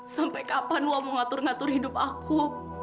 sampai kapan wa mau ngatur ngatur hidup aku